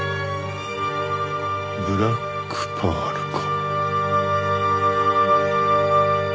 ブラックパールか。